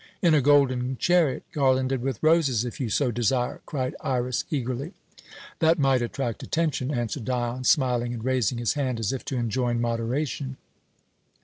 "In a golden chariot, garlanded with roses, if you so desire," cried Iras eagerly. "That might attract attention," answered Dion, smiling and raising his hand as if to enjoin moderation.